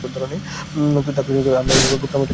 তো জানো নিশ্চয়ই, আমরা গুপ্তামশাইয়ের ব্যান্ড ছেড়ে দিচ্ছি।